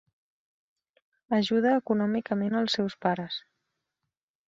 Ajuda econòmicament els seus pares.